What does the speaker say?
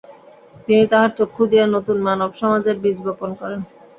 তিনি তাহার চক্ষু দিয়া নতুন মানব সমাজের বীজ বপন করেন।